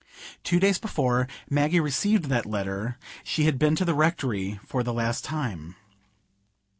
Two days before Maggie received that letter, she had been to the Rectory for the last time.